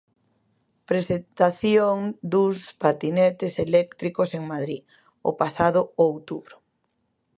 Presentación duns patinetes eléctricos en Madrid, o pasado outubro.